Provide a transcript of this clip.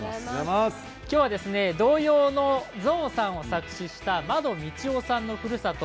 今日は童謡の「ぞうさん」を作詞したまど・みちおさんのふるさと